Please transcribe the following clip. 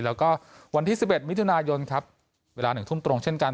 แล้วก็วันที่๑๑มิถุนายนครับเวลา๑ทุ่มตรงเช่นกัน